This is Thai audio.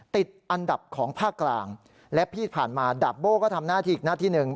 ติดอันดับของภาคกลางและที่ผ่านมาดาบโบ้ก็ทำหน้าที่อีกหน้าที่หนึ่ง